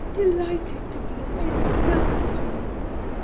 delighted to be of any service to you.'